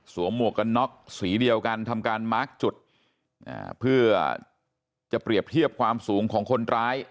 หมวกกันน็อกสีเดียวกันทำการมาร์คจุดเพื่อจะเปรียบเทียบความสูงของคนร้าย